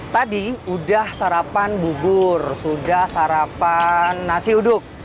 tadi sudah sarapan bubur sudah sarapan nasi uduk